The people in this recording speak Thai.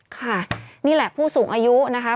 ค่ะนี่แหละผู้สูงอายุนะคะ